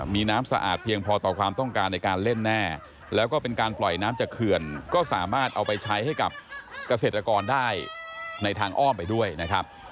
มีน้ำสะอาดเพียงพอต่อความต้องการในการเล่นแน่แล้วก็เป็นการปล่อยน้ำจากเขื่อนก็สามารถเอาไปใช้ให้กับเกษตรกรได้ในทางอ้อมไปด้วยนะครับ